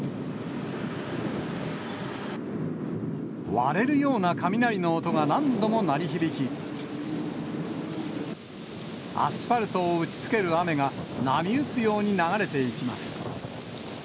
割れるような雷の音が何度も鳴り響き、アスファルトを打ちつける雨が、波打つように流れていきます。